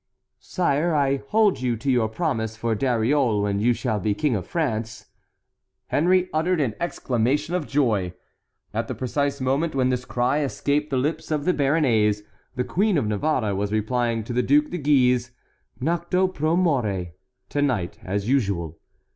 "Sire, I hold you to your promise for Dariole when you shall be King of France." Henry uttered an exclamation of joy. At the precise moment when this cry escaped the lips of the Béarnais, the Queen of Navarre was replying to the Duc de Guise: "Noctu pro more—to night as usual."